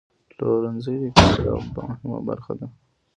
پلورنځی د اقتصاد یوه مهمه برخه ده.